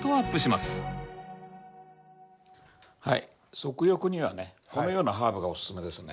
足浴にはねこのようなハーブがおすすめですね。